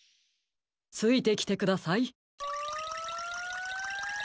ついてきてください。